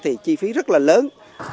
thì chi phí rất là lớn